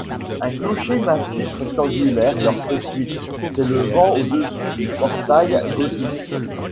Un clocher massif rectangulaire leur fait suite, s'élevant au-dessus du portail gothique.